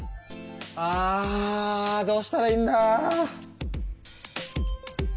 あどうしたらいいんだ。